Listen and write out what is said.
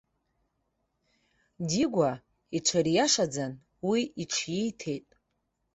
Дигәа иҽыриашаӡан, уи иҽииҭеит.